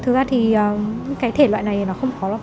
thực ra thì cái thể loại này nó không khó đâu